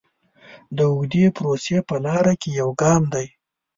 د اوږدې پروسې په لاره کې یو ګام دی.